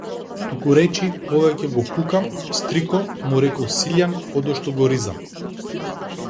Тукуречи повеќе го пукам, стрико, му рекол Силјан, одошто го ризам.